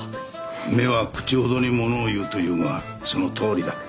「目は口ほどにものを言う」と言うがそのとおりだ。